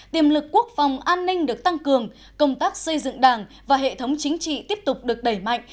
tiềm lực quốc phòng an ninh được tăng cường công tác xây dựng đảng và hệ thống chính trị tiếp tục được đẩy mạnh